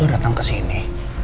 lu datang kesini